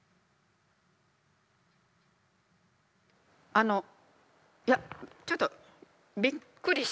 あのいやちょっとびっくりしてて今。